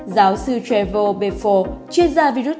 giáo sư trevor beffo chuyên gia virus